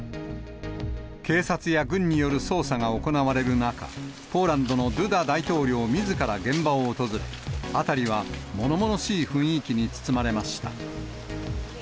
警察や軍による捜査が行われる中、ポーランドのドゥダ大統領みずから現場を訪れ、辺りはものものしい雰囲気に包まれました。